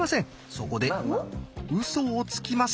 そこでウソをつきます。